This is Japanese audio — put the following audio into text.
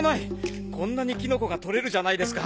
こんなにキノコがとれるじゃないですか。